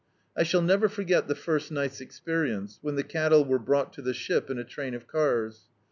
I shall never forget the first ni^t's experience, when the cattle were brou^t to the ship in a train of cars.